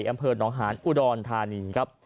อำเภอหนองหานอุดรธานีครับ